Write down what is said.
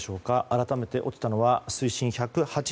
改めて落ちたのは水深１８２ｍ。